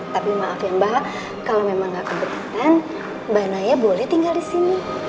tapi maaf ya mbak kalau memang nggak kebetulan mbak naya boleh tinggal di sini